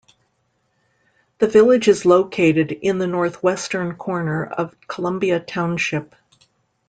The village is located in the northwestern corner of Columbia Township.